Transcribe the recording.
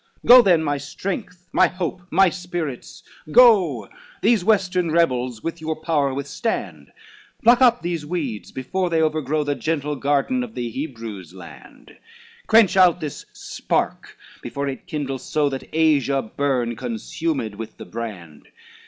XVI "Go then, my strength, my hope, my Spirits go, These western rebels with your power withstand, Pluck up these weeds, before they overgrow The gentle garden of the Hebrews' land, Quench out this spark, before it kindles so That Asia burn, consumed with the brand.